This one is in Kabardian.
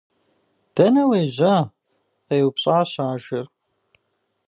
- Дэнэ уежьа? - къеупщӏащ ажэр.